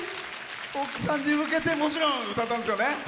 奥さんに向けてもちろん歌ったんですよね。